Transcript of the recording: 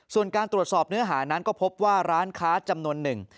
ส่วนการตรวจสอบเนื้อหานั้นก็พบว่าร้านค้าจำนวนหนึ่ง